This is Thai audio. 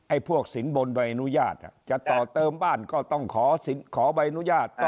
พวกสินบนใบอนุญาตจะต่อเติมบ้านก็ต้องขอใบอนุญาต